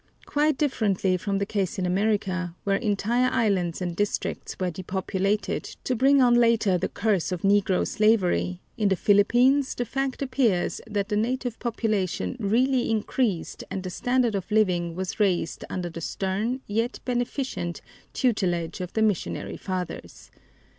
Quite differently from the case in America, where entire islands and districts were depopulated, to bring on later the curse of negro slavery, in the Philippines the fact appears that the native population really increased and the standard of living was raised under the stern, yet beneficent, tutelage of the missionary fathers.